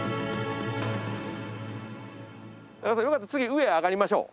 よかったら次上上がりましょう。